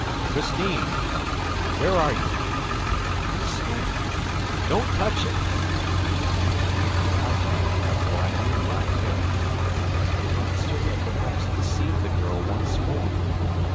"Christine," I cried, "where are you?" "By the scorpion." "Don't touch it!" The idea had come to me for I knew my Erik that the monster had perhaps deceived the girl once more.